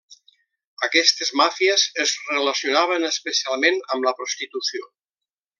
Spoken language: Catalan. Aquestes màfies es relacionaven especialment amb la prostitució.